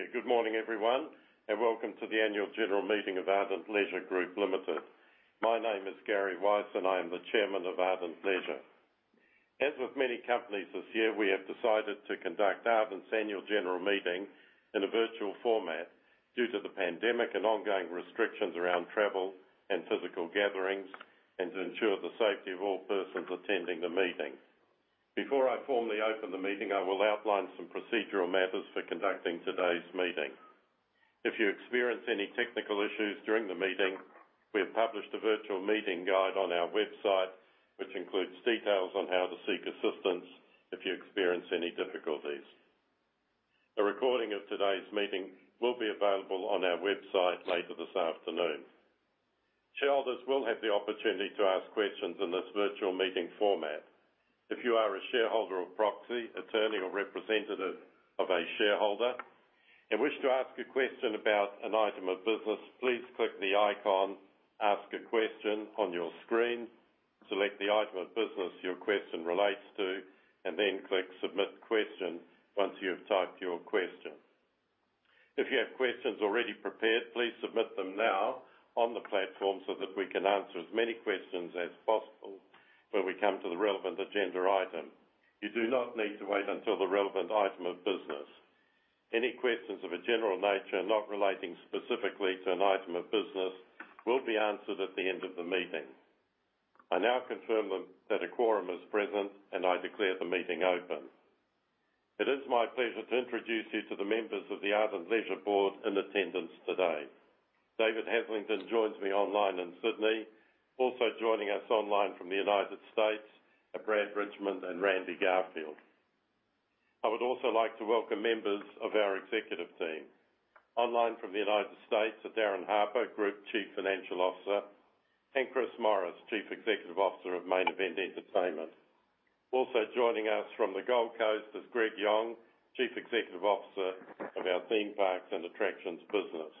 Thank you. Good morning, everyone, and welcome to the annual general meeting of Ardent Leisure Group Limited. My name is Gary Weiss, and I am the Chairman of Ardent Leisure. As with many companies this year, we have decided to conduct Ardent's annual general meeting in a virtual format due to the pandemic and ongoing restrictions around travel and physical gatherings and to ensure the safety of all persons attending the meeting. Before I formally open the meeting, I will outline some procedural matters for conducting today's meeting. If you experience any technical issues during the meeting, we have published a virtual meeting guide on our website, which includes details on how to seek assistance if you experience any difficulties. A recording of today's meeting will be available on our website later this afternoon. Shareholders will have the opportunity to ask questions in this virtual meeting format. If you are a shareholder or proxy, attorney or representative of a shareholder and wish to ask a question about an item of business, please click the icon Ask a Question on your screen, select the item of business your question relates to, and then click Submit Question once you have typed your question. If you have questions already prepared, please submit them now on the platform so that we can answer as many questions as possible when we come to the relevant agenda item. You do not need to wait until the relevant item of business. Any questions of a general nature not relating specifically to an item of business will be answered at the end of the meeting. I now confirm that a quorum is present, and I declare the meeting open. It is my pleasure to introduce you to the members of the Ardent Leisure board in attendance today. David Haslingden joins me online in Sydney. Also joining us online from the United States are Brad Richmond and Randy Garfield. I would also like to welcome members of our executive team. Online from the United States are Darin Harper, Group Chief Financial Officer, and Chris Morris, Chief Executive Officer of Main Event Entertainment. Also joining us from the Gold Coast is Greg Yong, Chief Executive Officer of our Theme Parks and Attractions business.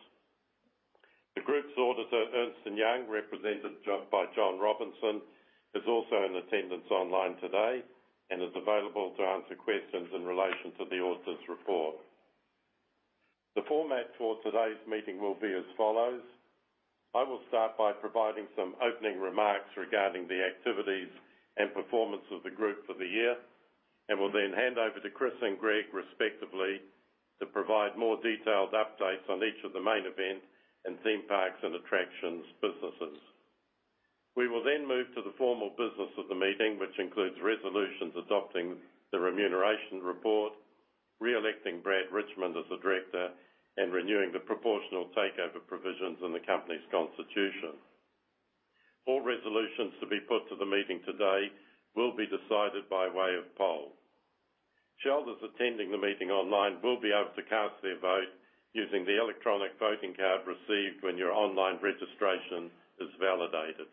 The group's auditor, Ernst & Young, represented by John Robinson, is also in attendance online today and is available to answer questions in relation to the auditor's report. The format for today's meeting will be as follows. I will start by providing some opening remarks regarding the activities and performance of the group for the year, and will then hand over to Chris and Greg, respectively, to provide more detailed updates on each of the Main Event and Theme Parks and Attractions businesses. We will then move to the formal business of the meeting, which includes resolutions adopting the remuneration report, re-electing Brad Richmond as a director, and renewing the proportional takeover provisions in the company's constitution. All resolutions to be put to the meeting today will be decided by way of poll. Shareholders attending the meeting online will be able to cast their vote using the electronic voting card received when your online registration is validated.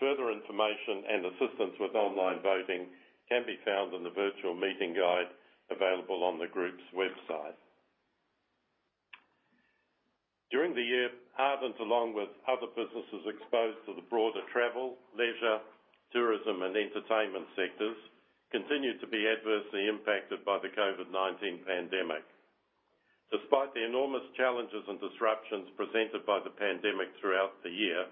Further information and assistance with online voting can be found in the virtual meeting guide available on the group's website. During the year, Ardent, along with other businesses exposed to the broader travel, leisure, tourism, and entertainment sectors, continued to be adversely impacted by the COVID-19 pandemic. Despite the enormous challenges and disruptions presented by the pandemic throughout the year,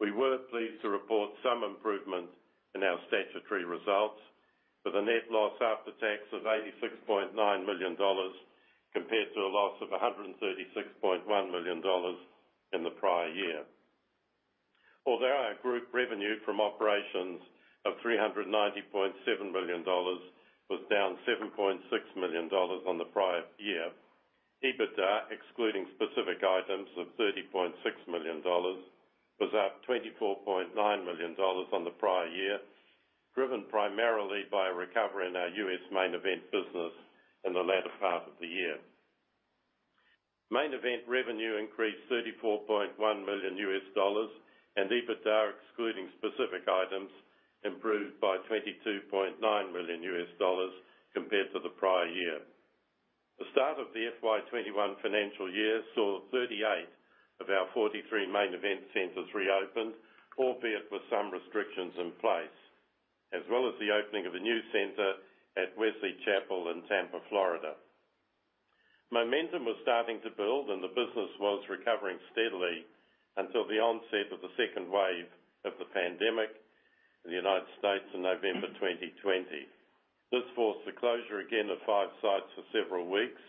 we were pleased to report some improvement in our statutory results, with a net loss after tax of 86.9 million dollars compared to a loss of 136.1 million dollars in the prior year. Although our group revenue from operations of 390.7 million dollars was down 7.6 million dollars on the prior year, EBITDA, excluding specific items of 30.6 million dollars, was up 24.9 million dollars on the prior year, driven primarily by a recovery in our U.S. Main Event business in the latter part of the year. Main Event revenue increased $34.1 million, and EBITDA, excluding specific items, improved by $22.9 million compared to the prior year. The start of the FY 2021 financial year saw 38 of our 43 Main Event centers reopened, albeit with some restrictions in place, as well as the opening of a new center at Wesley Chapel in Tampa, Florida. Momentum was starting to build, and the business was recovering steadily until the onset of the second wave of the pandemic in the United States in November 2020. This forced the closure again of five sites for several weeks,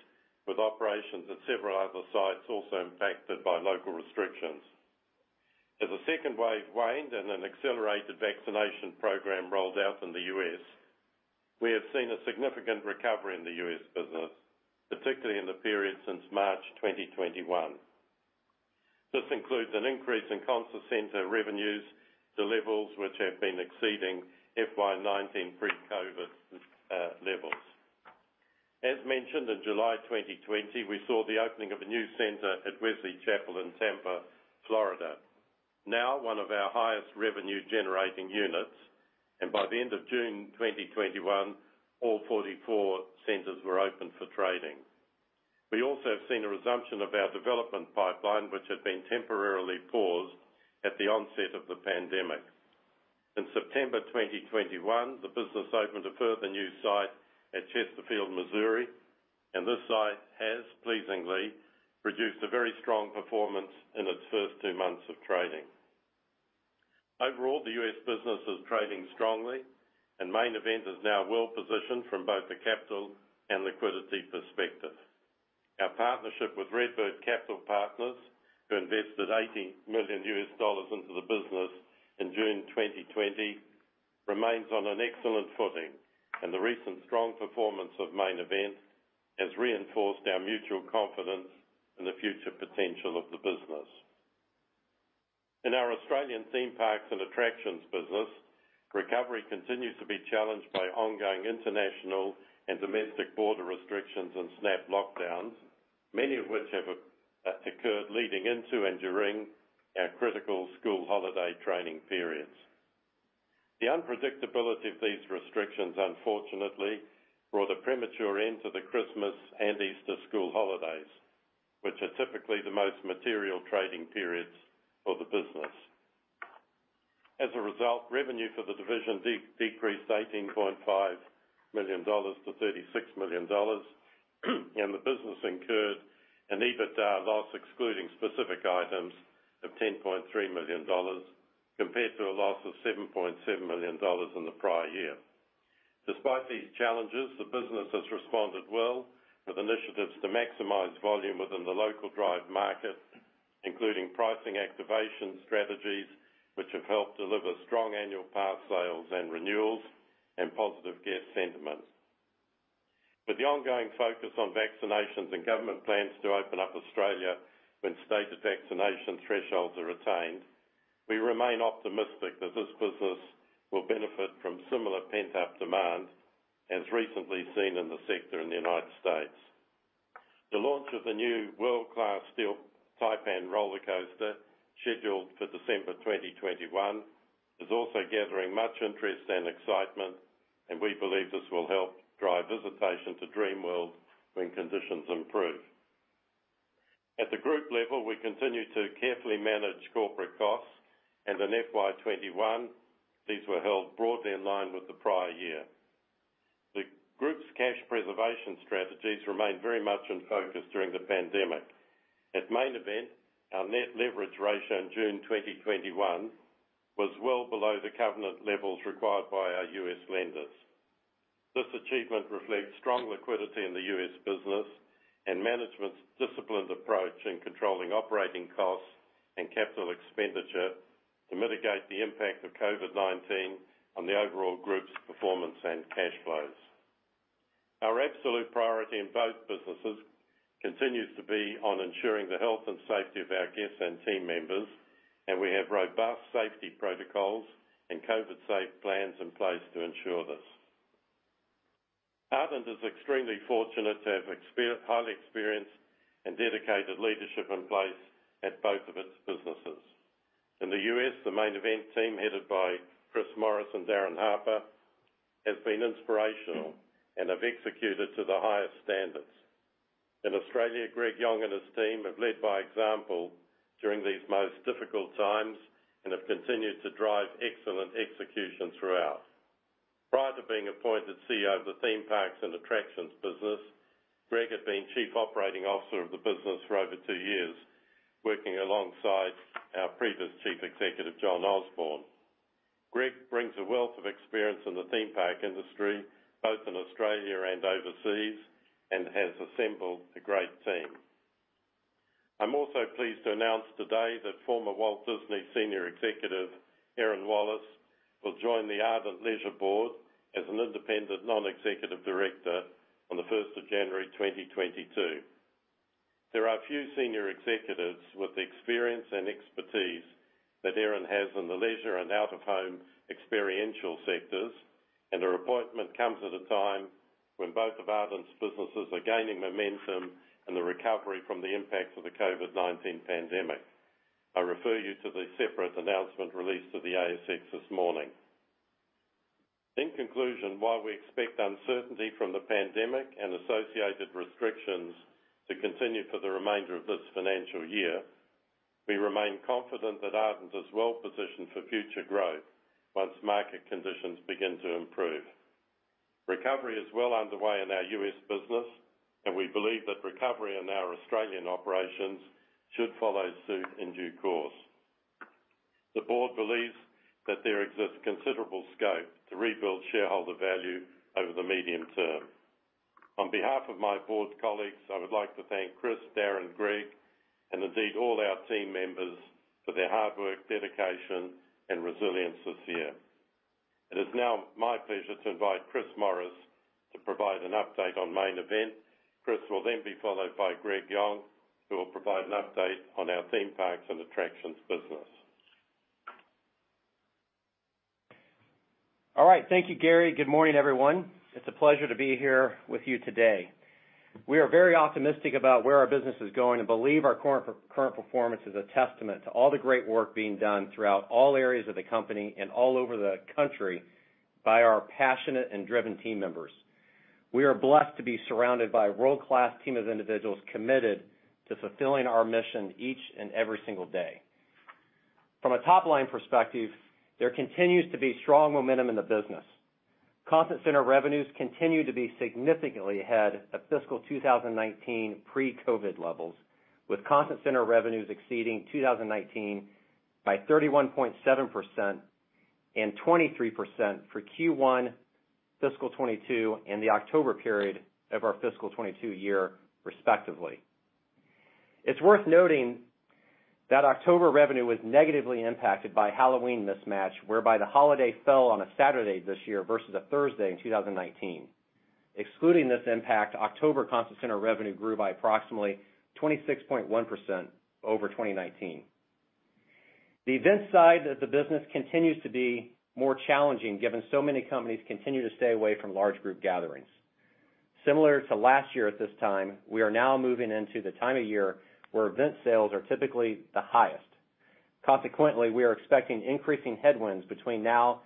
with operations at several other sites also impacted by local restrictions. As the second wave waned and an accelerated vaccination program rolled out in the U.S., we have seen a significant recovery in the U.S. business, particularly in the period since March 2021. This includes an increase in constant center revenues to levels which have been exceeding FY 2019 pre-COVID levels. As mentioned, in July 2020, we saw the opening of a new center at Wesley Chapel in Tampa, Florida, now one of our highest revenue-generating units. By the end of June 2021, all 44 centers were open for trading. We also have seen a resumption of our development pipeline, which had been temporarily paused at the onset of the pandemic. In September 2021, the business opened a further new site at Chesterfield, Missouri, and this site has pleasingly produced a very strong performance in its first two months of trading. Overall, the U.S. business is trading strongly, and Main Event is now well-positioned from both the capital and liquidity perspective. Our partnership with RedBird Capital Partners, who invested $80 million into the business in June 2020, remains on an excellent footing, and the recent strong performance of Main Event has reinforced our mutual confidence in the future potential of the business. In our Australian Theme Parks and Attractions business, recovery continues to be challenged by ongoing international and domestic border restrictions and snap lockdowns, many of which have occurred leading into and during our critical school holiday trading periods. The unpredictability of these restrictions, unfortunately, brought a premature end to the Christmas and Easter school holidays, which are typically the most material trading periods for the business. As a result, revenue for the division decreased from AUD 36 million to 18.5 million dollars, and the business incurred an EBITDA loss, excluding specific items, of 10.3 million dollars compared to a loss of 7.7 million dollars in the prior year. Despite these challenges, the business has responded well with initiatives to maximize volume within the local drive market, including pricing activation strategies, which have helped deliver strong annual pass sales and renewals and positive guest sentiment. With the ongoing focus on vaccinations and government plans to open up Australia when stated vaccination thresholds are attained, we remain optimistic that this business will benefit from similar pent-up demand as recently seen in the sector in the United States. The launch of the new world-class Steel Taipan roller coaster, scheduled for December 2021, is also gathering much interest and excitement, and we believe this will help drive visitation to Dreamworld when conditions improve. At the group level, we continue to carefully manage corporate costs, and in FY 2021, these were held broadly in line with the prior year. The group's cash preservation strategies remained very much in focus during the pandemic. At Main Event, our net leverage ratio in June 2021 was well below the covenant levels required by our U.S. lenders. This achievement reflects strong liquidity in the U.S. business and management's disciplined approach in controlling operating costs and capital expenditure to mitigate the impact of COVID-19 on the overall group's performance and cash flows. Our absolute priority in both businesses continues to be on ensuring the health and safety of our guests and team members, and we have robust safety protocols and COVID safe plans in place to ensure this. Ardent is extremely fortunate to have highly experienced and dedicated leadership in place at both of its businesses. In the U.S., the Main Event team, headed by Chris Morris and Darin Harper, has been inspirational and have executed to the highest standards. In Australia, Greg Yong and his team have led by example during these most difficult times and have continued to drive excellent execution throughout. Prior to being appointed CEO of the Theme Parks and Attractions business, Greg had been Chief Operating Officer of the business for over two years, working alongside our previous Chief Executive, John Osborne. Greg brings a wealth of experience in the Theme Park industry, both in Australia and overseas, and has assembled a great team. I'm also pleased to announce today that former Walt Disney Senior Executive, Erin Wallace, will join the Ardent Leisure board as an Independent Non-Executive Director on the 1st January, 2022. There are a few senior executives with the experience and expertise that Erin has in the leisure and out-of-home experiential sectors, and her appointment comes at a time when both of Ardent's businesses are gaining momentum and the recovery from the impacts of the COVID-19 pandemic. I refer you to the separate announcement released to the ASX this morning. In conclusion, while we expect uncertainty from the pandemic and associated restrictions to continue for the remainder of this financial year, we remain confident that Ardent is well-positioned for future growth once market conditions begin to improve. Recovery is well underway in our U.S. business, and we believe that recovery in our Australian operations should follow suit in due course. The board believes that there exists considerable scope to rebuild shareholder value over the medium term. On behalf of my board colleagues, I would like to thank Chris, Darin, Greg, and indeed all our team members for their hard work, dedication, and resilience this year. It is now my pleasure to invite Chris Morris to provide an update on Main Event. Chris will then be followed by Greg Yong, who will provide an update on our Theme Parks and Attractions business. All right. Thank you, Gary. Good morning, everyone. It's a pleasure to be here with you today. We are very optimistic about where our business is going and believe our current performance is a testament to all the great work being done throughout all areas of the company and all over the country by our passionate and driven team members. We are blessed to be surrounded by a world-class team of individuals committed to fulfilling our mission each and every single day. From a top-line perspective, there continues to be strong momentum in the business. Constant center revenues continue to be significantly ahead of fiscal 2019 pre-COVID levels, with constant center revenues exceeding 2019 by 31.7% and 23% for Q1 fiscal 2022 and the October period of our fiscal 2022 year respectively. It's worth noting that October revenue was negatively impacted by Halloween mismatch, whereby the holiday fell on a Saturday this year versus a Thursday in 2019. Excluding this impact, October constant center revenue grew by approximately 26.1% over 2019. The event side of the business continues to be more challenging, given so many companies continue to stay away from large group gatherings. Similar to last year at this time, we are now moving into the time of year where event sales are typically the highest. Consequently, we are expecting increasing headwinds between now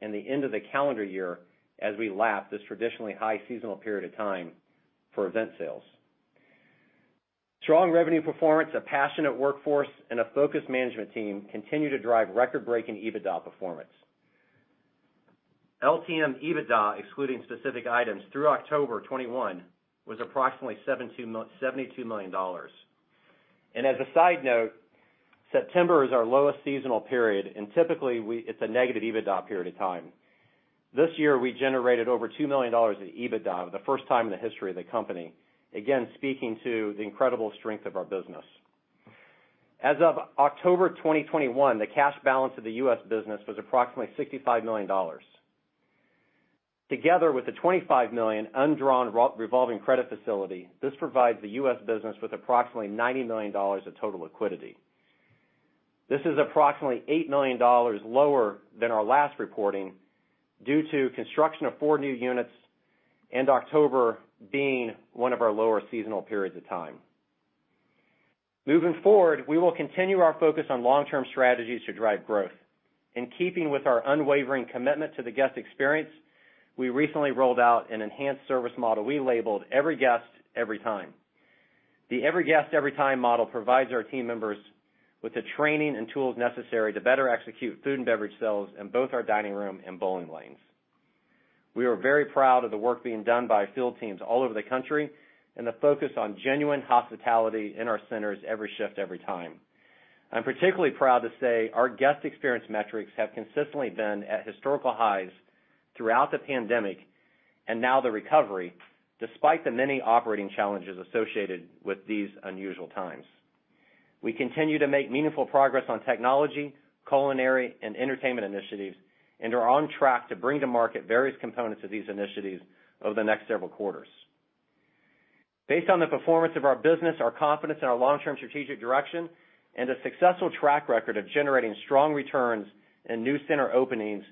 and the end of the calendar year as we lap this traditionally high seasonal period of time for event sales. Strong revenue performance, a passionate workforce, and a focused management team continue to drive record-breaking EBITDA performance. LTM EBITDA, excluding specific items through October 2021, was approximately $72 million. As a side note, September is our lowest seasonal period and typically it's a negative EBITDA period of time. This year we generated over $2 million in EBITDA for the first time in the history of the company. Again, speaking to the incredible strength of our business. As of October 2021, the cash balance of the U.S. business was approximately $65 million. Together with the $25 million undrawn revolving credit facility, this provides the U.S. business with approximately $90 million of total liquidity. This is approximately $8 million lower than our last reporting, due to construction of four new units and October being one of our lower seasonal periods of time. Moving forward, we will continue our focus on long-term strategies to drive growth. In keeping with our unwavering commitment to the guest experience, we recently rolled out an enhanced service model we labeled Every Guest, Every Time. The Every Guest, Every Time model provides our team members with the training and tools necessary to better execute food and beverage sales in both our dining room and bowling lanes. We are very proud of the work being done by field teams all over the country, and the focus on genuine hospitality in our centers every shift, every time. I'm particularly proud to say our guest experience metrics have consistently been at historical highs throughout the pandemic and now the recovery, despite the many operating challenges associated with these unusual times. We continue to make meaningful progress on technology, culinary and entertainment initiatives, and are on track to bring to market various components of these initiatives over the next several quarters. Based on the performance of our business, our confidence in our long-term strategic direction, and a successful track record of generating strong returns and new center openings,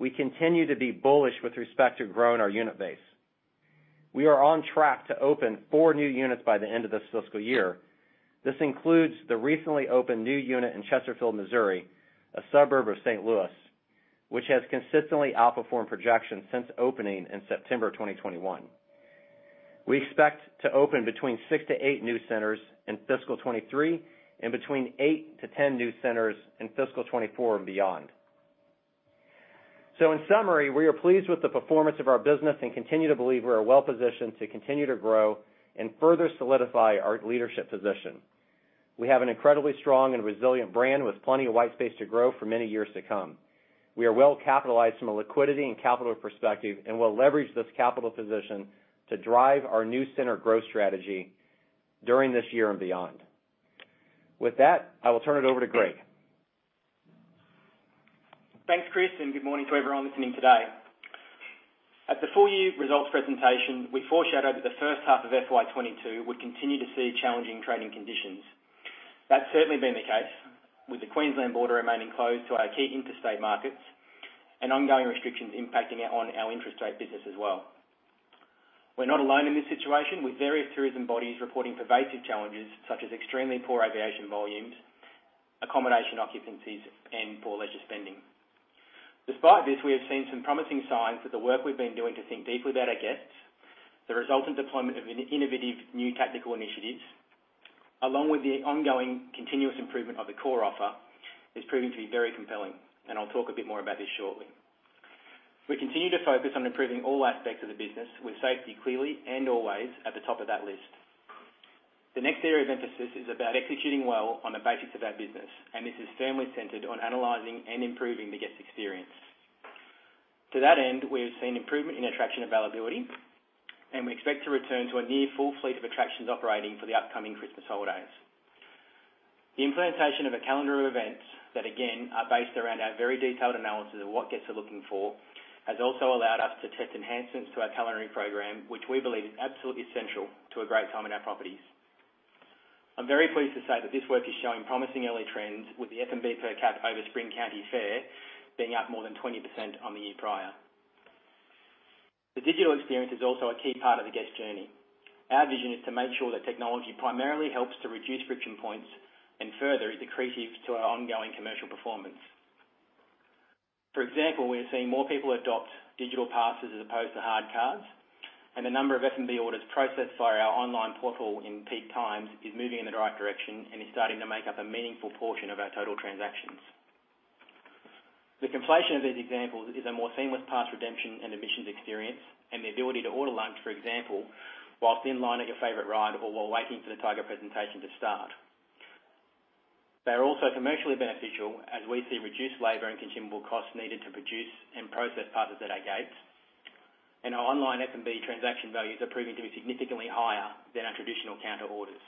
we continue to be bullish with respect to growing our unit base. We are on track to open four new units by the end of this fiscal year. This includes the recently opened new unit in Chesterfield, Missouri, a suburb of St. Louis, which has consistently outperformed projections since opening in September 2021. We expect to open between six to eight new centers in fiscal 2023 and between eight to 10 new centers in fiscal 2024 and beyond. In summary, we are pleased with the performance of our business and continue to believe we are well positioned to continue to grow and further solidify our leadership position. We have an incredibly strong and resilient brand with plenty of white space to grow for many years to come. We are well capitalized from a liquidity and capital perspective, and will leverage this capital position to drive our new center growth strategy during this year and beyond. With that, I will turn it over to Greg. Thanks, Chris, and good morning to everyone listening today. At the full year results presentation, we foreshadowed that the first half of FY 2022 would continue to see challenging trading conditions. That's certainly been the case, with the Queensland border remaining closed to our key interstate markets and ongoing restrictions impacting on our interstate business as well. We're not alone in this situation, with various tourism bodies reporting pervasive challenges such as extremely poor aviation volumes, accommodation occupancies, and poor leisure spending. Despite this, we have seen some promising signs that the work we've been doing to think deeply about our guests, the resultant deployment of innovative new tactical initiatives, along with the ongoing continuous improvement of the core offer, is proving to be very compelling, and I'll talk a bit more about this shortly. We continue to focus on improving all aspects of the business with safety clearly and always at the top of that list. The next area of emphasis is about executing well on the basics of our business, and this is firmly centered on analyzing and improving the guest experience. To that end, we have seen improvement in attraction availability, and we expect to return to a near full fleet of attractions operating for the upcoming Christmas holidays. The implementation of a calendar of events that again are based around our very detailed analysis of what guests are looking for, has also allowed us to test enhancements to our culinary program, which we believe is absolutely essential to a great time in our properties. I'm very pleased to say that this work is showing promising early trends with the F&B per cap over Spring County Fair being up more than 20% on the year prior. Our vision is to make sure that technology primarily helps to reduce friction points and further is accretive to our ongoing commercial performance. For example, we are seeing more people adopt digital passes as opposed to hard cards, and the number of F&B orders processed by our online portal in peak times is moving in the right direction and is starting to make up a meaningful portion of our total transactions. The conflation of these examples is a more seamless pass redemption and admissions experience, and the ability to order lunch, for example, while in line at your favorite ride or while waiting for the target presentation to start. They're also commercially beneficial as we see reduced labor and consumable costs needed to produce and process passes at our gates. Our online F&B transaction values are proving to be significantly higher than our traditional counter orders.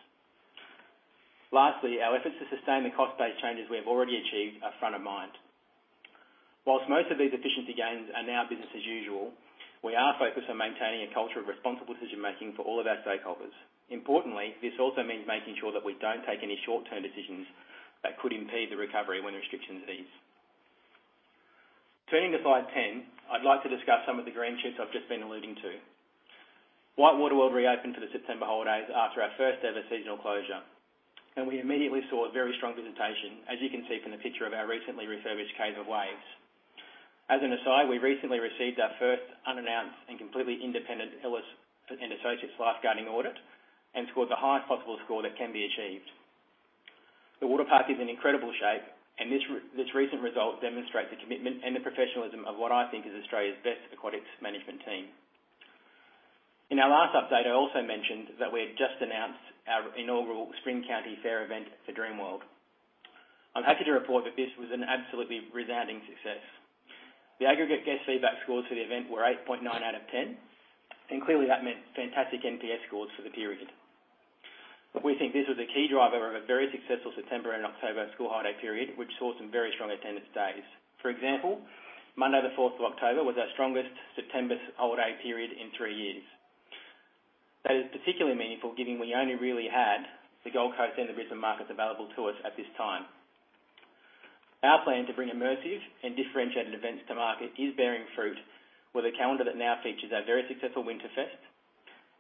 Lastly, our efforts to sustain the cost-based changes we have already achieved are front of mind. While most of these efficiency gains are now business as usual, we are focused on maintaining a culture of responsible decision-making for all of our stakeholders. Importantly, this also means making sure that we don't take any short-term decisions that could impede the recovery when restrictions ease. Turning to slide 10, I'd like to discuss some of the green shoots I've just been alluding to. WhiteWater World reopened for the September holidays after our first-ever seasonal closure, and we immediately saw very strong visitation, as you can see from the picture of our recently refurbished Cave of Waves. As an aside, we recently received our first unannounced and completely independent Ellis & Associates lifeguarding audit and scored the highest possible score that can be achieved. The water park is in incredible shape, and this recent result demonstrates the commitment and the professionalism of what I think is Australia's best aquatics management team. In our last update, I also mentioned that we had just announced our inaugural Spring County Fair event for Dreamworld. I'm happy to report that this was an absolutely resounding success. The aggregate guest feedback scores for the event were 8.9 out of 10, and clearly that meant fantastic NPS scores for the period. We think this was a key driver of a very successful September and October school holiday period, which saw some very strong attendance days. For example, Monday the 4th October was our strongest September holiday period in three years. That is particularly meaningful, given we only really had the Gold Coast and the Brisbane markets available to us at this time. Our plan to bring immersive and differentiated events to market is bearing fruit with a calendar that now features our very successful Winterfest,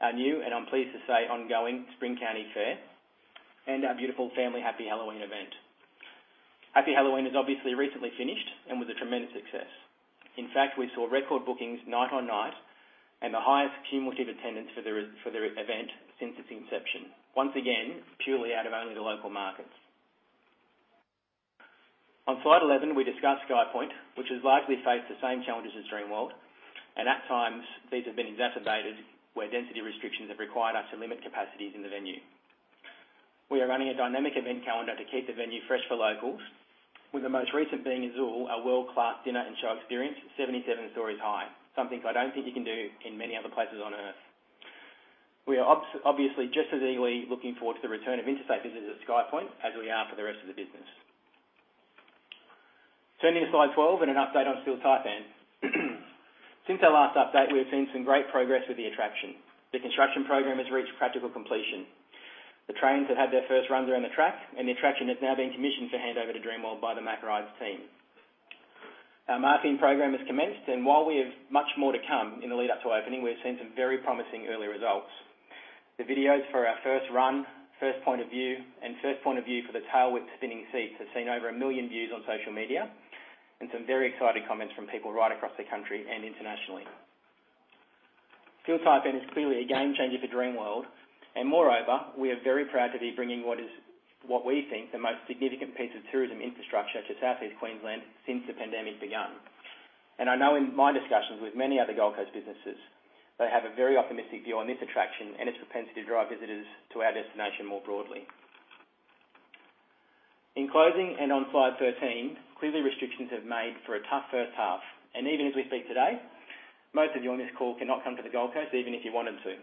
our new, and I'm pleased to say, ongoing Spring County Fair, and our beautiful family Happy Halloween event. Happy Halloween has obviously recently finished and was a tremendous success. In fact, we saw record bookings night on night and the highest cumulative attendance for the event since its inception. Once again, purely out of only the local markets. On slide 11, we discuss SkyPoint, which has largely faced the same challenges as Dreamworld, and at times these have been exacerbated where density restrictions have required us to limit capacities in the venue. We are running a dynamic event calendar to keep the venue fresh for locals, with the most recent being AZUL, a world-class dinner and show experience 77 stories high, something I don't think you can do in many other places on Earth. We are obviously just as eagerly looking forward to the return of interstate visitors at SkyPoint as we are for the rest of the business. Turning to slide 12 and an update on Steel Taipan. Since our last update, we have seen some great progress with the attraction. The construction program has reached practical completion. The trains have had their first runs around the track, and the attraction has now been commissioned for handover to Dreamworld by the MACK Rides team. Our marketing program has commenced, and while we have much more to come in the lead-up to opening, we've seen some very promising early results. The videos for our first run, first point of view, and first point of view for the tail whip spinning seats have seen over a million views on social media and some very exciting comments from people right across the country and internationally. Steel Taipan is clearly a game changer for Dreamworld, and moreover, we are very proud to be bringing what is, what we think, the most significant piece of tourism infrastructure to Southeast Queensland since the pandemic begun. I know in my discussions with many other Gold Coast businesses, they have a very optimistic view on this attraction and its propensity to drive visitors to our destination more broadly. In closing, and on slide 13, clearly restrictions have made for a tough first half, and even as we speak today, most of you on this call cannot come to the Gold Coast even if you wanted to.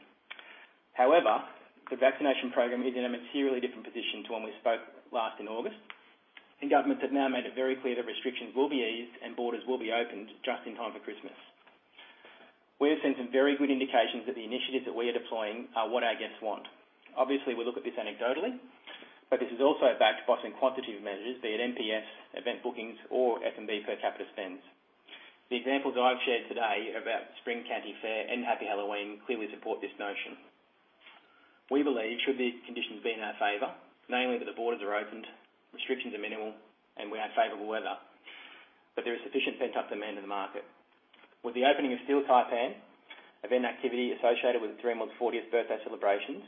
However, the vaccination program is in a materially different position to when we spoke last in August, and governments have now made it very clear that restrictions will be eased and borders will be opened just in time for Christmas. We have seen some very good indications that the initiatives that we are deploying are what our guests want. Obviously, we look at this anecdotally, but this is also backed by some quantitative measures, be it NPS, event bookings, or F&B per capita spends. The examples I've shared today about Spring County Fair and Happy Halloween clearly support this notion. We believe should these conditions be in our favor, mainly that the borders are opened, restrictions are minimal, and we have favorable weather, that there is sufficient pent-up demand in the market. With the opening of Steel Taipan, event activity associated with Dreamworld's 14th birthday celebrations,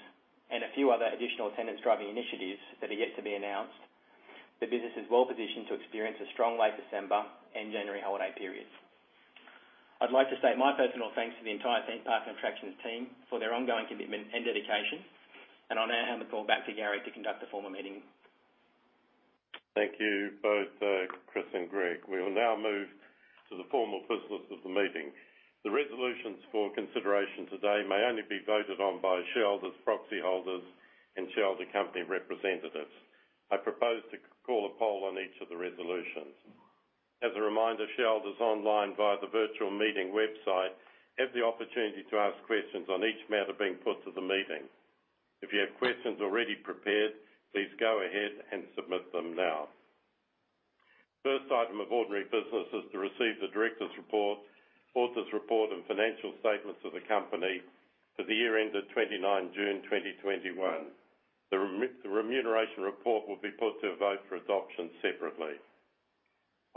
and a few other additional attendance-driving initiatives that are yet to be announced, the business is well-positioned to experience a strong late December and January holiday periods. I'd like to say my personal thanks to the entire Theme Parks and Attractions team for their ongoing commitment and dedication. I'll now hand the call back to Gary to conduct the formal meeting. Thank you both, Chris and Greg. We will now move to the formal business of the meeting. The resolutions for consideration today may only be voted on by shareholders, proxy holders, and shareholder company representatives. I propose to call a poll on each of the resolutions. As a reminder, shareholders online via the virtual meeting website have the opportunity to ask questions on each matter being put to the meeting. If you have questions already prepared, please go ahead and submit them now. First item of ordinary business is to receive the directors' report, auditors' report and financial statements of the company for the year ended 29 June 2021. The remuneration report will be put to a vote for adoption separately.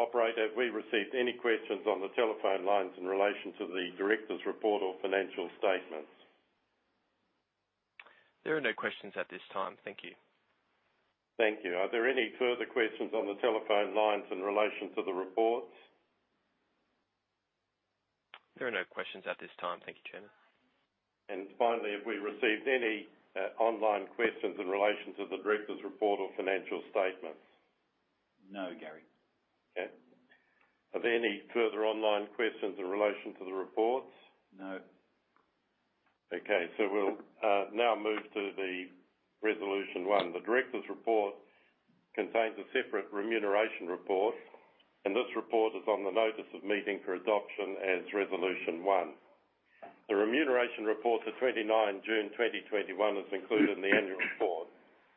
Operator, have we received any questions on the telephone lines in relation to the directors' report or financial statements? There are no questions at this time. Thank you. Thank you. Are there any further questions on the telephone lines in relation to the report? There are no questions at this time. Thank you. Finally, have we received any online questions in relation to the directors' report or financial statements? No, Gary. Okay. Are there any further online questions in relation to the reports? No. Okay. We'll now move to Resolution 1. The directors' report contains a separate remuneration report, and this report is on the notice of meeting for adoption as Resolution 1. The remuneration report to 29 June 2021 is included in the annual report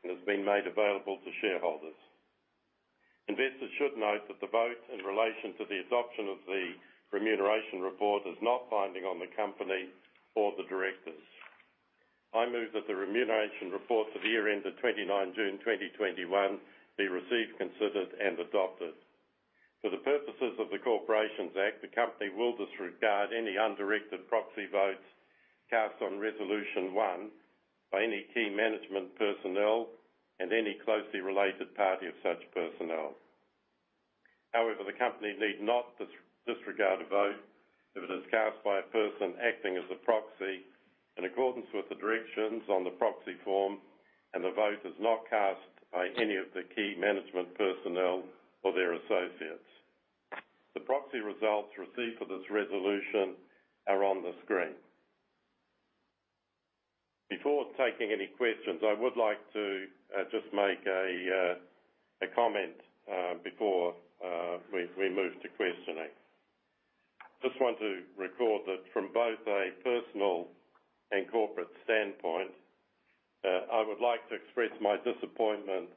and has been made available to shareholders. Investors should note that the vote in relation to the adoption of the remuneration report is not binding on the company or the directors. I move that the remuneration report for the year ended 29 June 2021 be received, considered and adopted. For the purposes of the Corporations Act, the company will disregard any undirected proxy votes cast on Resolution 1 by any key management personnel and any closely related party of such personnel. However, the company need not disregard a vote if it is cast by a person acting as a proxy in accordance with the directions on the proxy form and the vote is not cast by any of the key management personnel or their associates. The proxy results received for this resolution are on the screen. Before taking any questions, I would like to just make a comment before we move to questioning. Just want to record that from both a personal and corporate standpoint, I would like to express my disappointment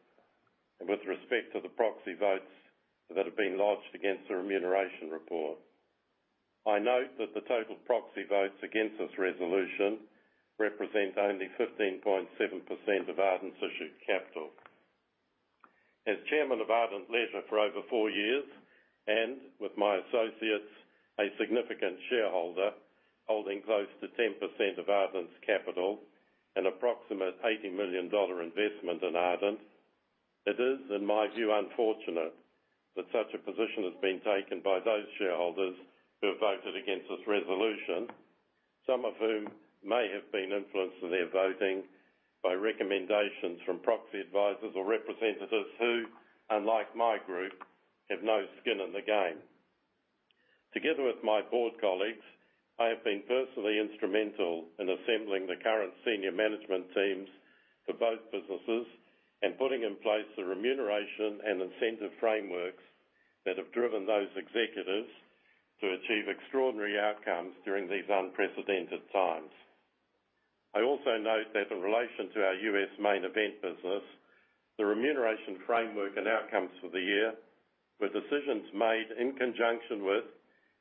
with respect to the proxy votes that have been lodged against the remuneration report. I note that the total proxy votes against this resolution represent only 15.7% of Ardent's issued capital. As Chairman of Ardent Leisure for over four years, and with my associates, a significant shareholder holding close to 10% of Ardent's capital, an approximate 80 million dollar investment in Ardent, it is, in my view, unfortunate that such a position has been taken by those shareholders who have voted against this resolution, some of whom may have been influenced in their voting by recommendations from proxy advisors or representatives who, unlike my group, have no skin in the game. Together with my board colleagues, I have been personally instrumental in assembling the current senior management teams for both businesses and putting in place the remuneration and incentive frameworks that have driven those executives to achieve extraordinary outcomes during these unprecedented times. I also note that in relation to our U.S. Main Event business, the remuneration framework and outcomes for the year were decisions made in conjunction with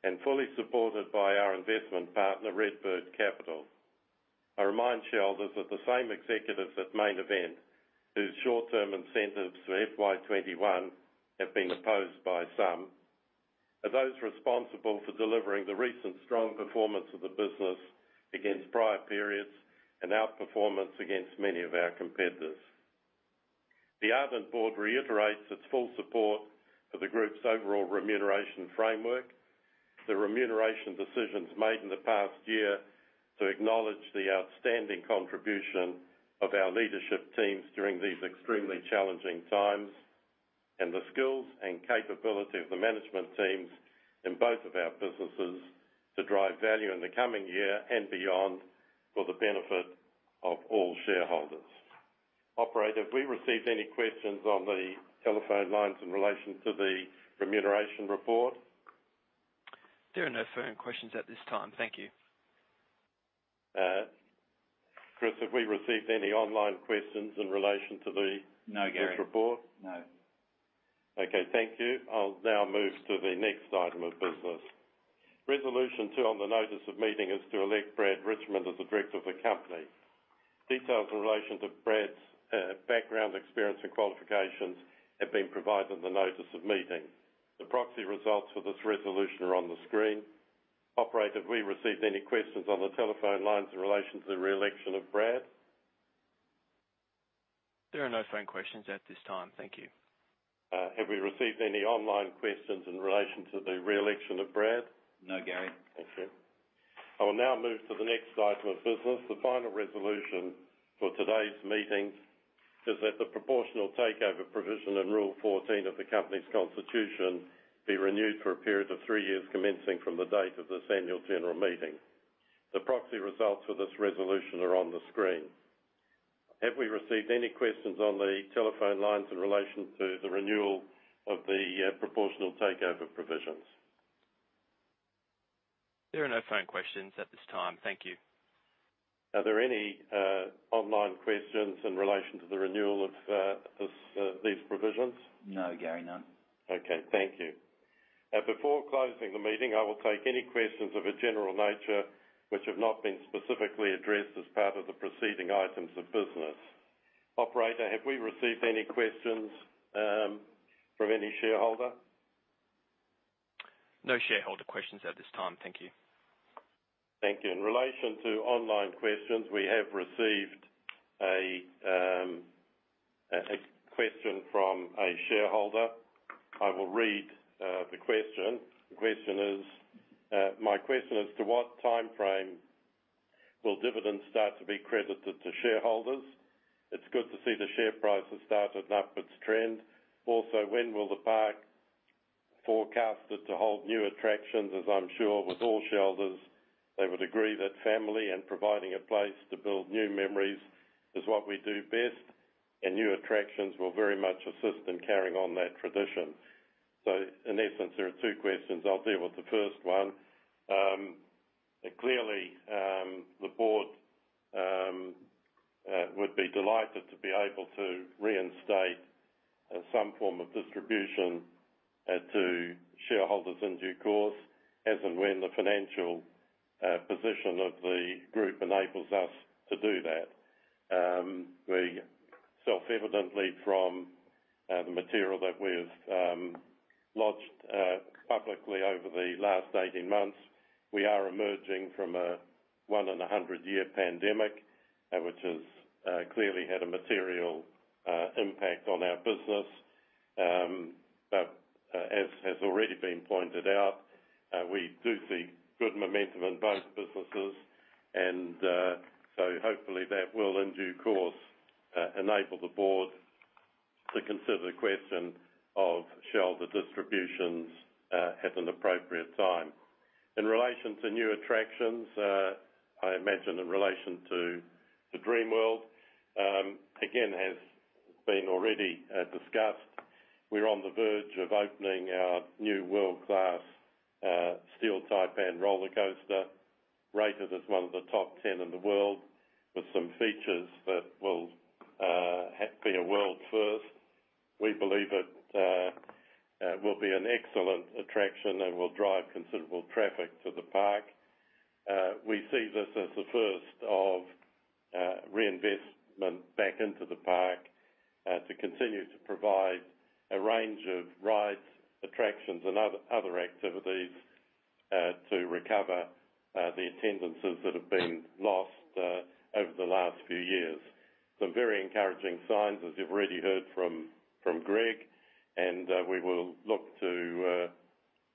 and fully supported by our investment partner, RedBird Capital Partners. I remind shareholders that the same executives at Main Event, whose short-term incentives for FY 2021 have been opposed by some, are those responsible for delivering the recent strong performance of the business against prior periods and outperformance against many of our competitors. The Ardent board reiterates its full support for the group's overall remuneration framework, the remuneration decisions made in the past year to acknowledge the outstanding contribution of our leadership teams during these extremely challenging times, and the skills and capability of the management teams in both of our businesses to drive value in the coming year and beyond for the benefit of all shareholders. Operator, have we received any questions on the telephone lines in relation to the remuneration report? There are no phone questions at this time. Thank you. Chris, have we received any online questions in relation to this report? No, Gary. No. Okay. Thank you. I'll now move to the next item of business. Resolution 2 on the notice of meeting is to elect Brad Richmond as a director of the company. Details in relation to Brad's background, experience and qualifications have been provided in the notice of meeting. The proxy results for this resolution are on the screen. Operator, have we received any questions on the telephone lines in relation to the re-election of Brad? There are no phone questions at this time. Thank you. Have we received any online questions in relation to the re-election of Brad? No, Gary. Okay. I will now move to the next item of business. The final resolution for today's meetings is that the proportional takeover provision in Rule 14 of the company's constitution be renewed for a period of three years, commencing from the date of this annual general meeting. The proxy results for this resolution are on the screen. Have we received any questions on the telephone lines in relation to the renewal of the proportional takeover provisions? There are no phone questions at this time. Thank you. Are there any online questions in relation to the renewal of these provisions? No, Gary, none. Okay, thank you. Before closing the meeting, I will take any questions of a general nature which have not been specifically addressed as part of the preceding items of business. Operator, have we received any questions from any shareholder? No shareholder questions at this time. Thank you. Thank you. In relation to online questions, we have received a question from a shareholder. I will read the question. The question is, "My question is, to what timeframe will dividends start to be credited to shareholders? It's good to see the share price has started an upwards trend. Also, when will the park forecast it to hold new attractions? As I'm sure with all shareholders, they would agree that family and providing a place to build new memories is what we do best, and new attractions will very much assist in carrying on that tradition. In essence, there are two questions. I'll deal with the first one. Clearly, the board would be delighted to be able to reinstate some form of distribution to shareholders in due course, as and when the financial position of the group enables us to do that. We self-evidently from the material that we've lodged publicly over the last 18 months, we are emerging from a one in a 100-year pandemic, which has clearly had a material impact on our business. As has already been pointed out, we do see good momentum in both businesses and so hopefully that will in due course enable the board to consider the question of shareholder distributions at an appropriate time. In relation to new attractions, I imagine in relation to the Dreamworld, again, as has already been discussed, we're on the verge of opening our new world-class Steel Taipan roller coaster, rated as one of the top 10 in the world with some features that will have a world first. We believe it will be an excellent attraction and will drive considerable traffic to the park. We see this as the first of reinvestment back into the park to continue to provide a range of rides, attractions and other activities to recover the attendances that have been lost over the last few years. Some very encouraging signs, as you've already heard from Greg, and we will look to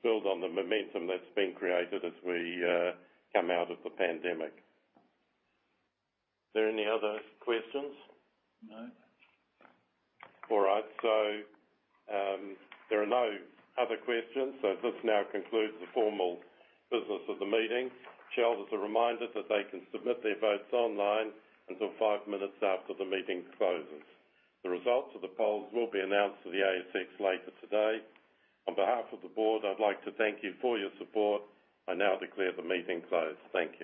build on the momentum that's been created as we come out of the pandemic. Are there any other questions? No. All right. There are no other questions. This now concludes the formal business of the meeting. Shareholders are reminded that they can submit their votes online until five minutes after the meeting closes. The results of the polls will be announced to the ASX later today. On behalf of the board, I'd like to thank you for your support. I now declare the meeting closed. Thank you.